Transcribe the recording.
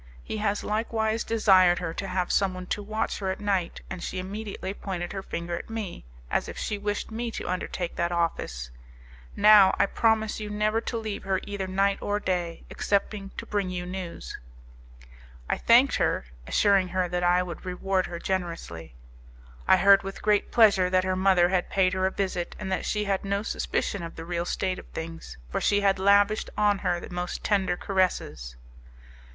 He has likewise desired her to have someone to watch her at night, and she immediately pointed her finger at me, as if she wished me to undertake that office. Now, I promise you never to leave her either night or day, except to bring you news." I thanked her, assuring her that I would reward her generously. I heard with great pleasure that her mother had paid her a visit, and that she had no suspicion of the real state of things, for she had lavished on her the most tender caresses.